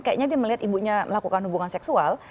kayaknya dia melihat ibunya melakukan hubungan seksual